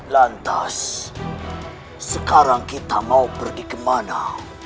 lantas sekarang kita mau pergi kemana